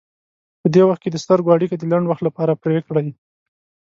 په دې وخت کې د سترګو اړیکه د لنډ وخت لپاره پرې کړئ.